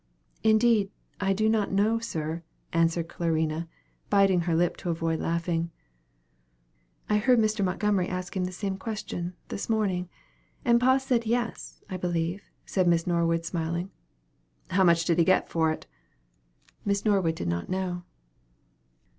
"Indeed, I do not know, sir," answered Clarina, biting her lip to avoid laughing. "I heard Mr. Montgomery ask him the same question, this morning; and Pa said 'yes,' I believe," said Miss Norwood, smiling. "How much did he get for it?" Miss Norwood did not know.